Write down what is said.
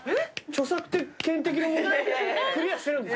著作権的な問題はクリアしてるんですね？